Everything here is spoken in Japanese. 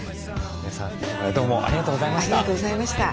皆さん今回はどうもありがとうございました。